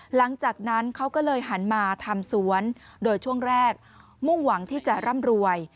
หลังจากนั้นเขาก็เลยหันมาทำสวนโดยช่วงแรกมุ่งหวังที่จะร่ำรวย